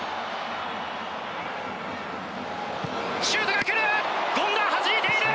シュートが来る！